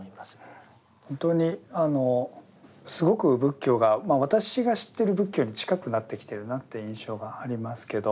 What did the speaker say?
本当にあのすごく仏教が私が知ってる仏教に近くなってきてるなって印象がありますけど。